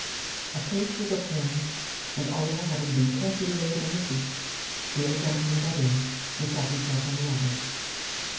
A coach was obtained, and Oliver having been carefully laid on the seat, the old gentleman got in and sat himself on the other.